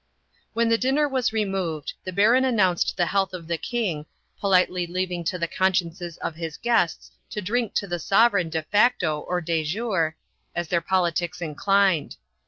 When the dinner was removed, the Baron announced the health of the King, politely leaving to the consciences of his guests to drink to the sovereign de facto or de jure, as their politics inclined.